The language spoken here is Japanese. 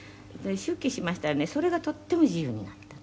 「出家しましたらねそれがとても自由になった」